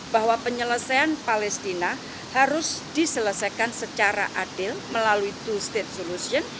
bahwa penyelesaian palestina harus diselesaikan secara adil melalui two state solution